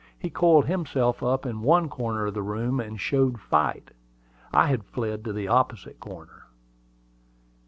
He coiled himself up in one corner of the room and showed fight, while I fled to the opposite corner.